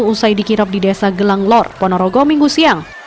usai dikirap di desa gelang lor ponorogo minggu siang